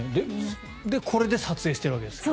これで撮影しているわけですか？